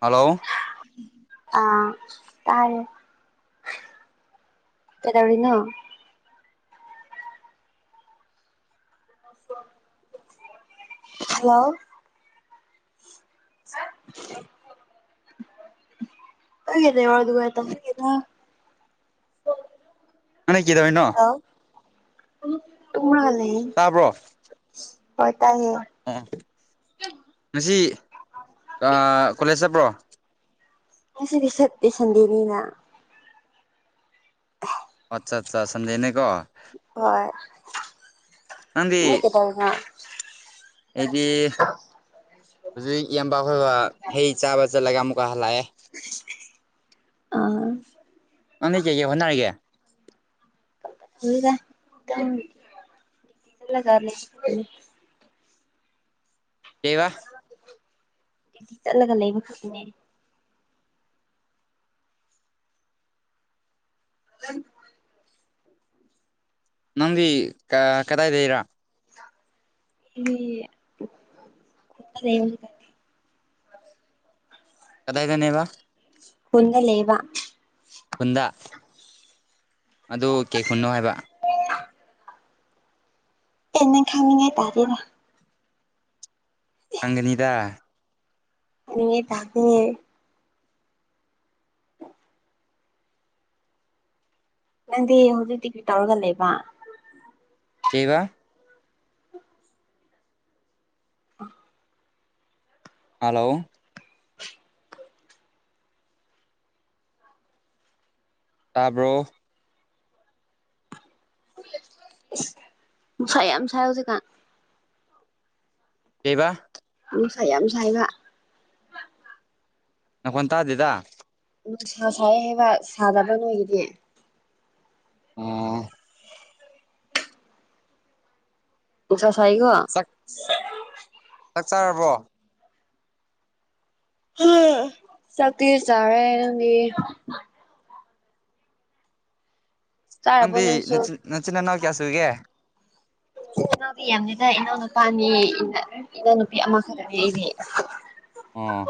Hello ꯑꯥ ꯇꯥꯔꯦ ꯆꯗꯥꯧꯔꯤꯅ ꯑꯣ ꯍꯜꯂꯣ [inaudible] ꯅꯒꯤ ꯅꯦꯇꯋꯥꯛ ꯅꯨꯉꯁꯤ ꯇꯕꯒꯤꯔꯥ ꯅꯒ ꯑꯩ ꯀꯤꯗꯣꯔꯦꯅꯣ ꯋꯥꯂꯦ [unintelligible] ꯑꯣ ꯉꯁꯤ ꯑ ꯀꯣꯂꯦꯖ ꯆꯠꯄ꯭ꯔꯣ ꯉꯁꯤꯗꯤ ꯁꯟꯗꯦ ꯁꯟꯗꯦꯅꯤꯅ ꯑꯠꯆꯥꯠꯆꯥ ꯁꯟꯗꯦꯅꯦꯀꯣ ꯍꯣꯏ ꯅꯪꯗꯤ ꯀꯩꯗꯧꯔꯤꯅꯣ ꯑꯩꯗꯤ ꯍꯧꯖꯤꯛ ꯏꯌꯥꯝꯕꯈꯣꯏꯒ ꯍꯩ ꯆꯥꯕ ꯆꯠꯂꯒ ꯑꯃꯨꯛꯀ ꯍꯜꯂꯛꯑꯦ ꯑ ꯅꯪꯗꯤ ꯀꯩ ꯀꯩ ꯍꯣꯠꯅꯔꯤꯒꯦ [unintelligible] ꯗꯦ ꯀꯩꯝ [unintelligible] ꯀꯩꯕ ꯗ꯭ꯌꯨꯇꯤ ꯆꯠꯂꯒ ꯂꯩꯕꯈꯛꯇꯅꯦ [unintelligible] ꯅꯪꯗꯤ ꯀ ꯀꯗꯥꯏꯗꯩꯔꯥ ꯑꯩꯗꯤ [unintelligible] ꯀꯗꯥꯏꯗꯅꯦꯕ ꯈꯨꯟꯗ ꯂꯩꯌꯦꯕ ꯈꯨꯟꯗ ꯑꯗꯨ ꯀꯩ ꯈꯨꯨꯟꯅꯣ ꯍꯥꯏꯕ ꯑꯦ ꯅꯪ ꯈꯪꯉꯤꯅꯦ ꯇꯥꯗꯦꯅꯦ ꯈꯪꯒꯅꯤꯗꯥ [unintelligible] ꯇꯥꯗꯦ ꯅꯪꯗꯤ ꯍꯧꯖꯤꯛꯇꯤ ꯀꯔꯤ ꯇꯧꯔꯒ ꯂꯩꯕ ꯀꯩꯕ ꯑ ꯍꯜꯂꯣ [inaudible] ꯇꯥꯕ꯭ꯔꯣ ꯅꯨꯡꯁꯥ ꯌꯥꯝ ꯁꯥꯏ ꯍꯧꯖꯤꯛꯀꯥꯟ ꯀꯩꯕ ꯅꯨꯡꯁꯥ ꯌꯥꯝ ꯁꯥꯏꯕ ꯅꯈꯣꯟ ꯇꯥꯗꯦꯗ ꯅꯨꯡꯁꯥ ꯁꯥꯏ ꯍꯥꯏꯕ ꯁꯥꯗꯕ ꯅꯣꯏꯗꯗꯤ ꯑ ꯅꯨꯡꯁꯥ ꯁꯥꯏꯀꯣ ꯆꯥꯛ ꯆꯥꯛ ꯆꯥꯔꯕꯣ [unintelligible] ꯆꯥꯛꯇꯤ ꯆꯔꯦ ꯅꯪꯗꯤ ꯆꯥꯔꯕꯣ ꯅꯪꯗꯤ ꯅꯪꯁꯨ ꯅꯆꯤꯟ ꯅꯆꯤꯟ ꯅꯅꯥꯎ ꯀꯌꯥ ꯁꯨꯨꯒꯦ [inaudible] ꯏꯅꯥꯎꯄꯤ ꯌꯥꯝꯗꯦꯗ ꯏꯅꯥꯎ ꯅꯨꯄꯥ ꯑꯅꯤ ꯏꯅꯥꯎ ꯅꯨꯄꯤ ꯑꯃ ꯈꯠꯇꯅꯦ ꯑꯩꯗꯤ ꯑꯣ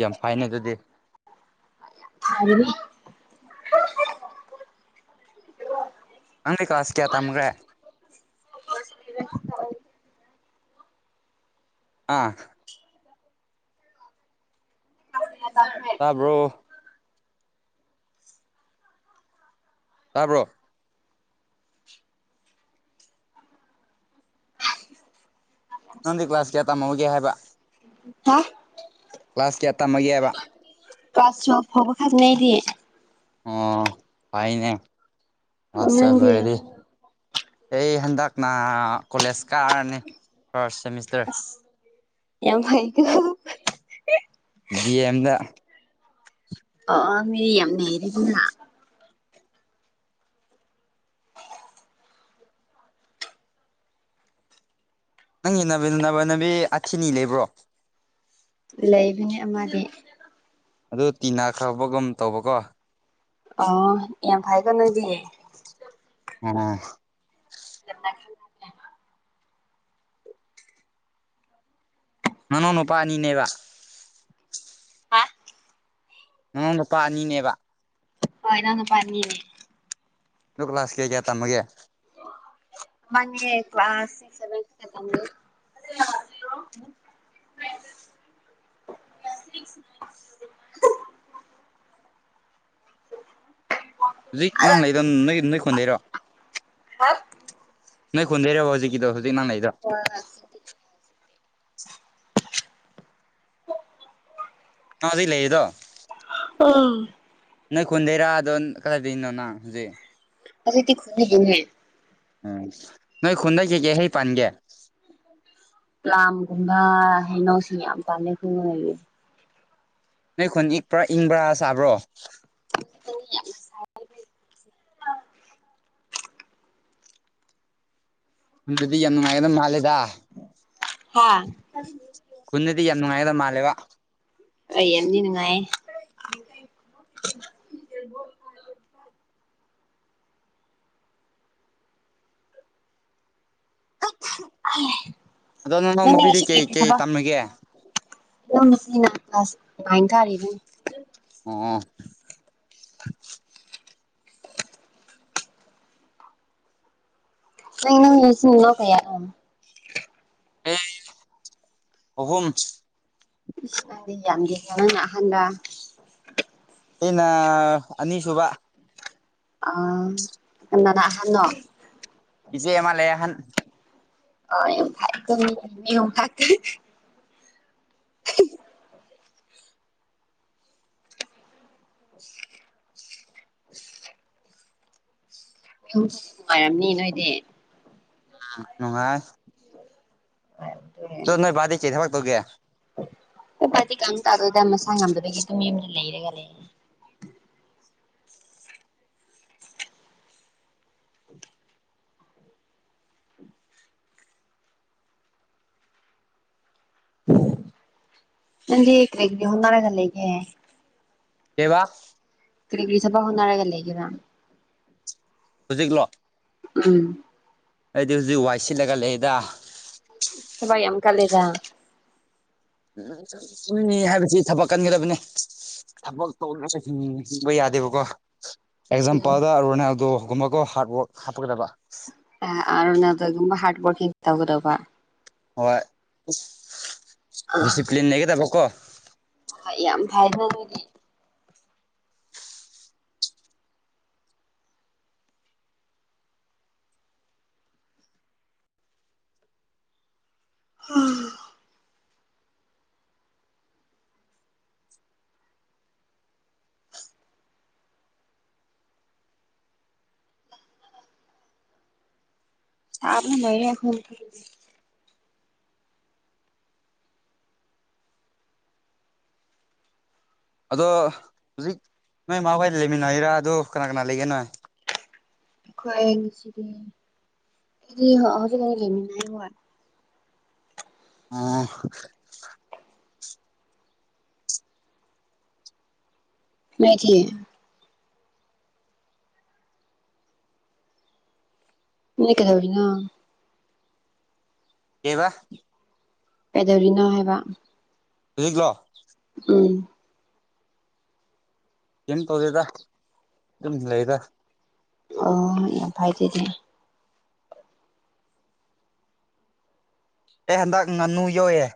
ꯌꯥꯝ ꯐꯩꯅꯦ ꯑꯗꯨꯗꯤ ꯌꯥꯝ ꯐꯕꯅꯤ [unintelligible] ꯅꯪꯗꯤ ꯀ꯭ꯂꯥꯁ ꯀꯌꯥ ꯇꯝꯒ꯭ꯔꯦ ꯑꯥ ꯇꯥꯕ꯭ꯔꯣ ꯇꯥꯕ꯭ꯔꯣ ꯅꯪꯗꯤ ꯀ꯭ꯂꯥꯁ ꯀꯌꯥ ꯇꯝꯍꯧꯒꯦ ꯍꯥꯏꯕ ꯍꯥ ꯀ꯭ꯂꯥꯁ ꯀꯌꯥ ꯇꯝꯃꯒꯦꯕ ꯐꯕ ꯈꯥꯇꯥꯅꯦ ꯑꯩꯗꯤ ꯑꯣ ꯐꯩꯅꯦ ꯀ꯭ꯂꯥꯁ ꯇꯨꯋꯦꯞ ꯅꯪꯗꯤ ꯂꯣꯏꯔꯗꯤ ꯑꯩ ꯍꯟꯗꯛꯅ ꯀꯣꯂꯦꯖ ꯀꯥꯔꯅꯤ ꯐꯥꯔꯁ ꯁꯦꯃꯤꯁꯇꯔ ꯌꯥꯝ ꯐꯩ [unintelligible] ꯗꯤ ꯑ [inaudible] ꯃꯤꯌꯥꯝ ꯌꯥꯝꯂꯩꯔꯤꯗꯅ ꯅꯪꯒꯤ ꯅꯕꯤꯟ ꯅꯃꯥꯟꯅꯕꯤ ꯑꯊꯤꯅꯤ ꯂꯩꯕ꯭ꯔꯣ ꯂꯩꯕꯅꯦ ꯑꯃꯗꯤ ꯑꯗꯨ ꯇꯤꯅꯥ ꯈꯥꯕꯒꯨꯝ ꯇꯧꯕꯀꯣ ꯑ ꯌꯥꯝ ꯐꯥꯀꯣ ꯅꯣꯏꯗꯤ ꯑ [unintelligible] ꯉꯅꯥꯎ ꯅꯨꯄꯥ ꯑꯅꯤꯅꯦꯕ ꯍꯥ ꯅꯅꯥꯎ ꯅꯨꯄꯥ ꯑꯅꯤꯅꯦꯕ ꯑ ꯏꯅꯥꯎ ꯅꯨꯄꯥ ꯑꯅꯤꯅꯦ ꯑꯗꯣ ꯀ꯭ꯂꯥꯁ ꯀꯌꯥ ꯀꯌꯥ ꯇꯝꯃꯒꯦ ꯑꯃꯅꯦ ꯀ꯭ꯂꯥꯁ ꯁꯤꯛ ꯁꯕꯦꯟ [inaudible] [unintelligible] ꯍꯧꯖꯤꯛ ꯅꯍꯪ ꯂꯩꯗ ꯅꯣꯏꯒꯤ ꯅꯣꯏ ꯈꯨꯟꯗꯩꯔꯣ ꯍꯥ ꯅꯣꯏ ꯈꯨꯟꯗꯩꯔꯣꯕ ꯍꯧꯖꯤꯛ ꯀꯤꯗꯣ [unintelligible] [inaudible] ꯅꯩ ꯍꯧꯖꯤꯛ ꯂꯩꯗꯣ ꯑꯥ ꯅꯣꯏ ꯈꯨꯟꯗꯩꯔꯥꯗꯣ ꯀꯗꯥꯥꯏꯗꯣꯏꯅꯣ ꯅꯪ ꯍꯧꯖꯤꯛ ꯍꯧꯖꯤꯛꯗꯤ ꯈꯨꯟꯗꯒꯤꯅꯦ ꯎ ꯅꯣꯏ ꯈꯨꯟꯗ ꯀꯩꯀꯩ ꯍꯩ ꯄꯥꯟꯒꯦ ꯄꯥꯝꯒꯨꯝꯕ ꯍꯩꯅꯣꯁꯤꯡ ꯌꯥꯝ ꯄꯥꯜ ꯂꯦ ꯅ ꯈꯨꯟꯗꯤ ꯄꯨꯔꯥ ꯏꯪꯕ꯭ꯔꯥ ꯁꯥꯕ꯭ꯔꯣ [inaudible] ꯈꯨꯟꯗꯗꯤ ꯌꯥꯝ ꯅꯨꯡꯉꯥꯏꯒꯗꯧꯕ ꯃꯥꯜꯂꯦꯗꯥ ꯍꯥ ꯅꯨꯡꯉꯥꯏꯗ ꯃꯥꯜꯂꯦꯕ ꯑꯩ ꯌꯥꯝꯅꯤ ꯅꯨꯡꯉꯥꯏ [inaudible] ꯑꯩ ꯑꯗꯣ ꯅꯥꯅꯥꯎ ꯅꯨꯄꯤꯗꯤ ꯀꯩ ꯀꯩ ꯇꯝꯃꯒꯦ ꯏꯅꯥꯎ ꯅꯨꯄꯥꯅꯤꯅ ꯀ꯭ꯂꯥꯁ ꯅꯥꯏꯟ ꯀꯥꯔꯤꯅꯦ ꯑꯣ ꯅꯣꯏ ꯅꯆꯤꯟ ꯅꯅꯥꯎ ꯀꯌꯥꯅꯣ ꯑꯦ ꯑꯍꯨꯝ ꯍꯥꯏꯗꯤ ꯌꯥꯝ ꯅꯪꯅ ꯑꯍꯟꯔ ꯑꯩꯅ ꯑꯅꯤꯁꯨꯕ ꯑꯥ ꯀꯥꯟꯅꯅ ꯑꯍꯟꯅꯣ ꯏꯆꯦ ꯑꯃꯥ ꯂꯩ ꯑꯍꯥꯟ ꯑ ꯊ ꯊ [inaudible] ꯅꯨꯡꯉꯥꯏꯔꯝꯅꯤ ꯅꯣꯏꯗꯤ ꯅꯨꯡꯉꯥꯏ ꯑꯗꯣ ꯅꯣꯏ ꯕꯥꯗꯤ ꯀꯩ ꯊꯕꯛ ꯇꯧꯒꯦ ꯍ ꯐꯗꯤ ꯀꯪ ꯇꯗꯗ ꯃ ꯁꯥꯡꯉꯝꯗꯕꯒꯤ ꯇꯨꯝ ꯌ ꯑꯃꯗ ꯂꯩꯔꯒ ꯂꯩ [inaudible] ꯅꯪꯗꯤ ꯀ꯭ꯔꯦꯒ ꯍꯨꯟꯅꯔꯦꯗ ꯂꯩꯒꯦꯦ ꯀꯕ ꯀꯔꯤ ꯀ꯭ꯔꯤ ꯁꯐꯕ ꯅꯅꯥꯔꯒ ꯂꯩꯗꯅ ꯍꯧꯖꯤꯛꯂꯣ ꯎꯝ ꯑꯩꯗꯤ ꯍꯧꯖꯤꯛ ꯋꯥꯏ ꯁꯤꯜꯂꯒ ꯂꯩꯗ ꯇꯚ ꯌꯥꯝ ꯀ ꯂꯩꯗ ꯎꯅꯤ ꯍꯥꯏꯕꯁꯤ ꯊꯕꯛ ꯀꯟ ꯒꯗꯕꯅꯦ ꯊꯕꯛ ꯇ ꯍꯤꯡꯕ ꯌꯥꯗꯦꯕꯀꯣ ꯎꯝ ꯑꯦꯛꯖꯥꯝꯄꯜꯗ ꯑꯔꯣꯅꯦꯗꯣꯒꯨꯝꯕꯒ ꯍꯥꯔꯗ ꯋꯥꯔꯛ ꯍꯥꯞꯄꯒꯗꯕ ꯑꯔ ꯑꯗꯨꯒꯨꯝ ꯍꯔ ꯋꯥꯔꯀꯤ ꯇꯒꯗꯕ ꯍꯣꯏ ꯗꯤꯁꯤꯄ꯭ꯂꯤꯟ ꯅꯒꯦꯗ ꯂ ꯀꯣ ꯑ ꯌꯥꯝ ꯐꯥꯏꯅ ꯑꯗꯨꯅꯦ ꯎꯡ ꯆꯕ ꯃꯔ ꯐ ꯇ ꯑꯗꯣ ꯍꯧꯖꯤꯛ ꯅꯣꯏ ꯃꯥꯃ ꯍꯣꯏꯗ ꯂꯩꯃꯤꯟꯅ ꯍꯥꯏꯔꯥ ꯑꯗꯣ ꯀꯅꯥ ꯀꯅꯥ ꯂꯩꯒꯅꯣ ꯍꯥꯏ ꯈ꯭ꯋꯥꯣꯏꯅꯨꯡꯁꯤꯗꯤꯗꯤ ꯍꯧꯖꯤꯛ ꯀꯔꯤ ꯂꯩꯃꯤ ꯑꯥ ꯃꯇ ꯏ ꯀꯗꯕꯅ ꯀ ꯄꯦꯗꯣꯔꯤꯅꯥ ꯍꯥꯏꯕ ꯖꯤꯂꯣ ꯎꯝ ꯀꯝ ꯇꯧꯔꯦꯗ ꯑꯗꯨꯝ ꯂꯩꯗ ꯑꯣ ꯌꯥꯝ ꯐꯥꯏꯗꯗꯤ ꯑꯦ ꯍꯟꯗꯛ ꯉꯥꯅꯨ ꯌꯣꯛꯌꯦꯦ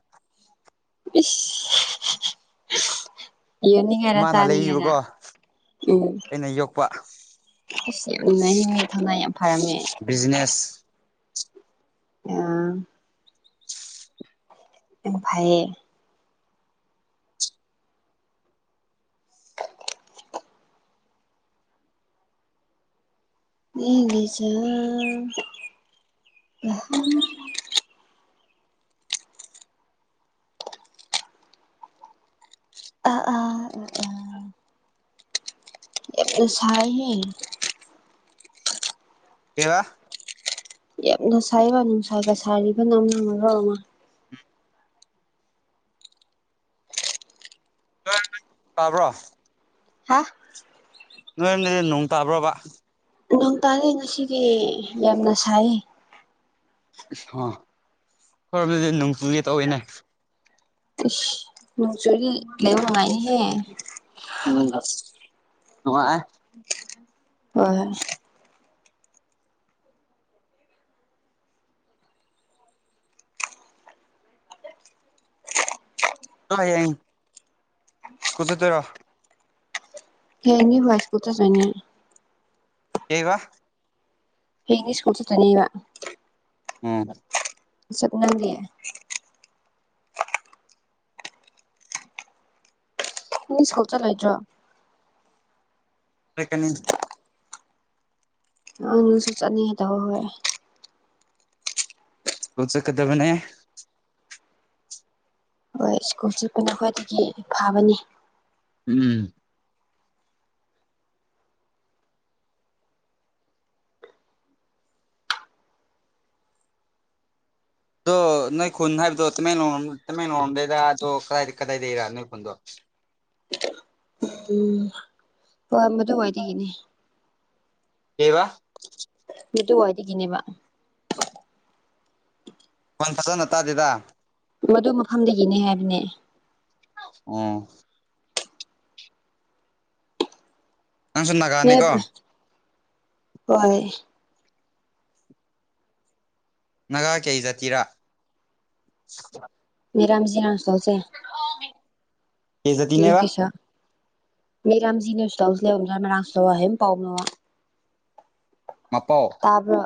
[unintelligible] ꯌꯅꯤꯉꯦꯔ ꯏꯃꯥꯅ ꯆꯥꯅꯤꯉꯦꯔ ꯂꯩꯕꯤꯕꯀꯣ ꯎꯝ ꯑꯩꯅ ꯌꯣꯛꯄ ꯥꯏ ꯊꯉ ꯌꯥꯝ ꯐꯔꯝꯃꯦ ꯕꯤꯖꯤꯅꯦꯁ ꯑ ꯐꯥꯏꯌꯦ [inaudible] ꯃꯤꯒꯤ ꯆ ꯑ ꯑ ꯑꯥ ꯑ ꯁꯥꯏ ꯀꯕꯥ ꯌꯥꯝꯅ ꯁꯥꯏꯕ ꯅꯨꯡꯁꯥꯏꯕ ꯁꯥꯔꯤꯕ ꯅꯝꯅ ꯃꯔꯣ ꯑꯃ ꯇꯥꯕ꯭ꯔꯣ ꯍꯥ ꯅꯣꯏ ꯅꯣꯏ ꯅꯣꯡ ꯇꯥꯕ꯭ꯔꯣꯕ ꯅ ꯇꯥꯔꯦ ꯉꯁꯤꯗꯤ ꯌꯥꯝꯅ ꯁꯥꯏ ꯑ ꯈꯔꯗꯤ ꯅꯣꯡꯆꯨꯒꯤ ꯇꯧꯋꯤꯅꯦ ꯅꯨꯡ ꯆꯨꯔꯤ ꯂꯩꯕ ꯅꯨꯡꯉꯥꯏꯅꯤꯍꯦ ꯑ ꯅꯅꯨꯡꯉ ꯑꯦ ꯍꯣꯏ ꯌꯦꯏ ꯁ꯭ꯀꯨꯜ ꯆꯠꯇꯔꯣ ꯍꯦꯅꯤ ꯁꯀꯨꯇ ꯆ ꯀꯩꯕꯥ꯫ ꯍꯌꯦꯡꯗꯤ ꯁ꯭ꯀꯨꯜ ꯆꯠꯇꫭꯏꯅꯦꯕ꯫ ꯑꫭ ꯁꯛꯅꯪꯗꯤ꯫ ꯅꯪ ꯁ꯭ꯀꯨꯜ ꯆꯠꯂꫭꯏꯗ꯭ꯔꫭ꯫ ꯆꯠꯀꯅꯤ꯫ ꯑꯅ ꯁꯣ ꯆꯠꯅꯤꯡ ꯇꯧ ꯍꯣꯏ꯫ ꯀꯨꯜ ꯆꯠꯀꯗꯕꯅꯦ꯫ ꯍꯣꯏ ꯁ꯭ꯀꯨꯜ ꯆꯠꯄꯅ ꯈ꯭ꯋꯥꯏꯗꯒꯤ ꯐꯥꯕꯅꯤ꯫ ꯎꯝ ꯑꯗꯣ ꯅꯣꯏ ꯈꯨꯟ ꯍꯥꯏꯕꯗꯣ ꯇꯃꯦꯡꯂꯣꯡ ꯇꯃꯦꯡꯂꯣꯡꯔꫭꯝꯗꯩꯔꯥ ꯑꯗꯣ ꯀꯗꯥꯏꯗꯒꯤꯔꯥ ꯅꯣꯏ ꯈꯨꯟꯗꯣ꯫ ꯎꯝ ꯍꯣꯏ ꯃꯗꯨꯋꯥꯏꯗꯒꯤꯅꯦ꯫ ꯀꯩꯕꯥ꯫ ꯑꯗꯨꯋꯥꯏꯗꯒꯤꯅꯦꯕ꯫ ꯅꯪ ꯐꯖꯅ ꯇꯥꯗꯦꯗꯥ꯫ ꯃꯗꯨ ꯃꯐꯝꯗꯒꯤꯅꯦ ꯍꯥꯏꯕꯅꯦ꯫ ꯑꯣꯝ ꯅꯪꯁꯨ ꯅꯣꯏ ꯅꯥꯒꯥꯅꯤꯀꯣ꯫ ꯍꯣꯏ꯫ ꯅꯥꯒꯥ ꯀꯩ ꯖꯥꯇꯤꯔꯥ꯫ [unintelligible] ꯀꯩ ꯖꯥꯇꯤꯅꯦꯕ ꯃꯄꯥꯎ [unintelligible] ꯇꯥꯕ꯭ꯔꯣ꯫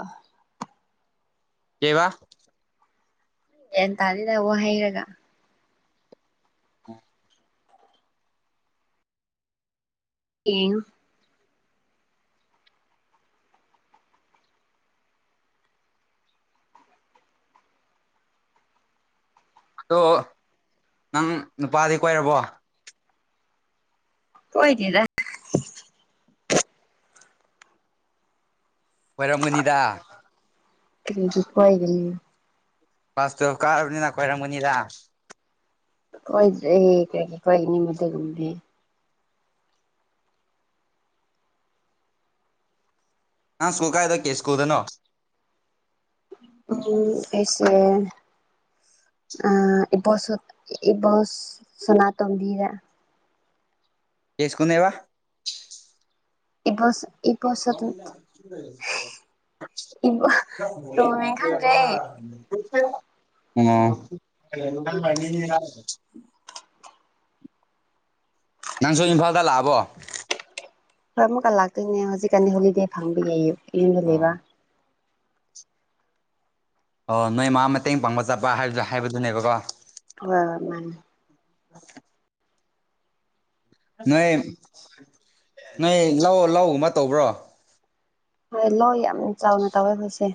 ꯀꯩꯕꯥ꯫ ꯒ꯭ꯌꯥꯟ ꯇꯥꯗꯦꯗ ꯋꯥ ꯍꯩꯔꯒ꯫ ꯑꫭ ꯌꯦ ꯑꯗꯣ ꯅꯪ ꯅꯨꯄꯥꯗꯤ ꯀꯣꯏꯔꯕꯣ꯫ ꯀꫭꯏꯗꯦꯗ꯫ ꯀꯣꯏꯔꯝꯒꯅꯤꯗ ꯀꯔꯤꯒꯤ ꯀꫭꯏꯒꯅꯤ꯫ Class twelve ꯀꯥꯔꯕꯅꯤꯅ ꯀꯣꯏꯔꯝꯒꯅꯤꯗꯥ꯫ ꯀꫭꯏꯗꯦ ꯀꯩꯒꯤ ꯀꫭꯏꯒꯅꯤ ꯑꯗꯨꯒꯨꯝꯕꯗꯤ꯫ ꯑ ꯁ꯭ꯀꯨꯜ ꯀꯥꯏꯗꫭ ꯀꯩ ꯁ꯭ꯀꯨꯜꯗꯅꯣ꯫ ꯎꯝ ꯑꯩꯁꯦ ꯑꯥ ꯏꯕꫭꯁ ꯏꯕꯣ ꯁꯅꯥꯇꫭꯝꯕꯤꯔ ꯌꯦꯁꯀꫭꯅꯦꯕ꯫ꯥ ꯏꯕꫭꯁ [inaudible] [unintelligible] [inaudible] [unintelligible] ꯑꫭ [inaudible] ꯏꯕꯣ ꯇꯣꯡꯃꯤꯡ ꯈꯪꯗ꯭ꯔꯦ ꯑꯩ ꯅꯪꯁꯨꯨ ꯏꯝꯐꯥꯜꯗ ꯂꯥꯛꯑꯕꯣ꯫ ꯍꯣꯏ ꯑꯃꯨꯛꯀ ꯂꯥꯛꯇꯣꯏꯅꯦ ꯍꯧꯖꯤꯛꯀꯥꯟ ꯍꯣꯂꯤꯗꯦ ꯐꯪꯕꯒꯤ ꯌꯨꯝꯗ ꯂꯩꯕ꯫ ꯑꯣ ꯑꯣ ꯅꯣꯏ ꯃꯥ ꯃꯇꯦꯡ ꯄꯥꯡꯕ ꯆꯠꯄꯥ ꯍꯥꯏꯕꯗꯣ ꯍꯥꯏꯕꯗꯨꯅꯦꯕꯀꯣ꯫ ꯍꫭꯏ-ꯍꯥꯏ ꯃꯥꯅꯦ꯫ [unintelligible] ꯅꯣꯏ ꯅꯣꯏ ꯂꯧ ꯂꯧꯒꯨꯝꯕ ꯇꯧꯕ꯭ꯔꯣ꯫ ꯍꯣꯏ ꯂꯣ ꯌꯥꯝ ꯆꯥꯎꯅ ꯇꯧꯋꯦ ꯍꯣꯏꯁꯦ꯫